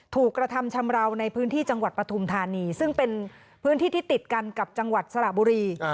ถูกกระทำชำราวในพื้นที่จังหวัดปฐุมธานีซึ่งเป็นพื้นที่ที่ติดกันกับจังหวัดสระบุรี